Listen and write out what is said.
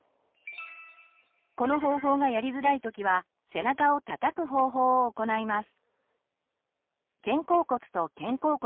この方法がやりづらいときは背中をたたく方法を行います。